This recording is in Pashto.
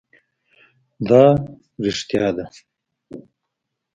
دا رښتیا ده